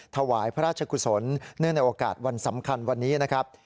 ถวายพระราชกุศลเนื่องในโอกาสวันสำคัญวันนี้นะครับ